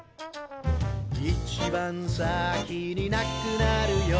「いちばん先になくなるよ」